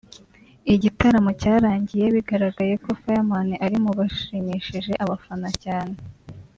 Igitaaramo cyarangiye bigaragaye ko ‘Fireman’ ari mu bashimishije abafana cyane